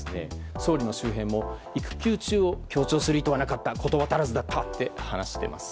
総理の周辺も育休中を強調する意図はなかった言葉足らずだったと話しています。